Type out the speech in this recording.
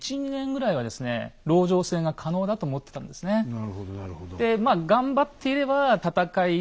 なるほどなるほど。